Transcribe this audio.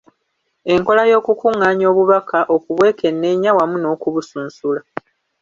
Enkola y’okukungaanya obubaka, okubwekenneenya, wamu n’okubusunsula.